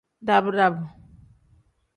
Dab-dab.